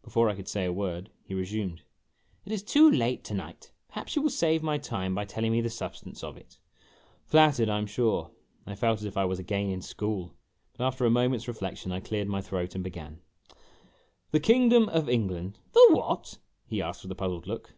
Before I could say a word he re sumed, " It is too late to night; perhaps you will save my time by tellinof me the substance of it ?"*_>" Flattered, I 'm sure." I felt as if I was again in school ; but after a moment's reflection I cleared my throat and began :" The Kingdom of England " The what? " he asked, with a puzzled look.